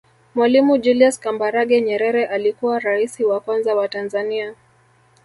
Mwalimu Julius Kambarage Nyerere alikuwa raisi wa kwanza wa Tanzania